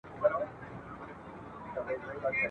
چي آشنا مي دی د پلار او د نیکونو !.